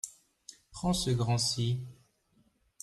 Prends ce grand-ci.